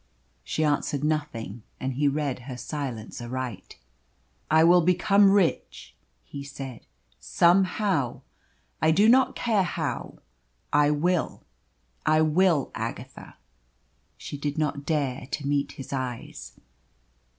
She answered nothing, and he read her silence aright. "I will become rich," he said, "somehow. I do not care how. I will, I will Agatha!" She did not dare to meet his eyes.